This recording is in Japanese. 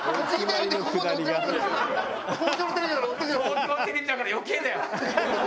東京のテレビだから余計だよ！